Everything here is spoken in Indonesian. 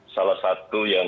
salah satu yang